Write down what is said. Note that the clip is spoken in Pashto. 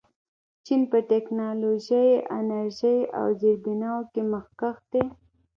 چین په ټیکنالوژۍ، انرژۍ او زیربناوو کې مخکښ دی.